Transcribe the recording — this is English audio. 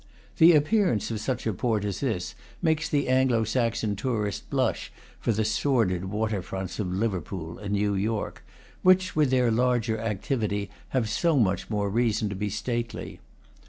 The appearance of such a port as this makes the Anglo Saxon tourist blush for the sor did water fronts of Liverpool and New York, which, with their larger activity, have so much more reason to be stately.